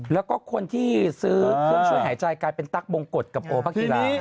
แล้วก็คนที่ซื้อเครื่องช่วยหายใจกลายเป็นตั๊กบงกฎกับโอพักกีฬา